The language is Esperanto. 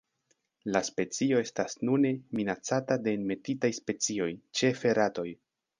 La specio estas nune minacata de enmetitaj specioj, ĉefe ratoj.